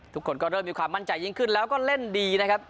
ทุกคนก็เริ่มมีความมั่นใจยิ่งขึ้นแล้วก็เล่นดีนะครับ